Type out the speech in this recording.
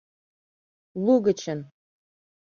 Лугычын.